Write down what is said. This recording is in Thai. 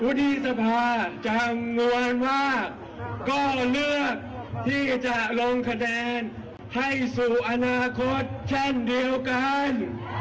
ที่สภาจำนวนว่าก็เลือกที่จะลงคะแนนให้สู่อนาคตเช่นเดียวกัน